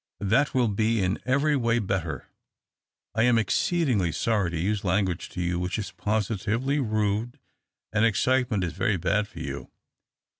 That will be in every way better. I am exceedingly sorry to use language to you which is positively rude, and excitement is very bad for you.